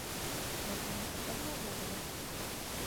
Гэта яму патрэбна ўвогуле?